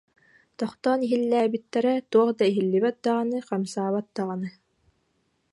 Тохтоон иһиллээбиттэрэ, туох да иһиллибэт даҕаны, хамсаабат даҕаны